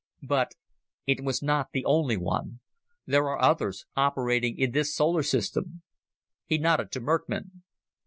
But ... it was not the only one. There are others, operating in this solar system." He nodded to Merckmann.